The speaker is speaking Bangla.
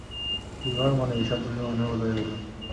বিভার মনে ঈষৎ অভিমানের উদয় হইল।